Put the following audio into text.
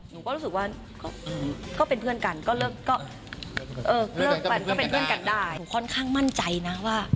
หนูก็รู้สึกว่าก็เป็นเพื่อนกันก็เลิกกัน